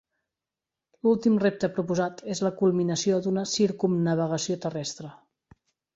L'últim repte proposat és la culminació d'una circumnavegació terrestre.